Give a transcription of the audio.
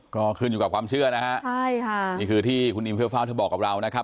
ก็ขึ้นอยู่กับความเชื่อนะฮะใช่ค่ะนี่คือที่คุณอิมเพื่อเฝ้าเธอบอกกับเรานะครับ